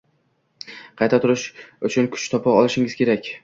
Qayta turish uchun kuch topa olishingiz kerak.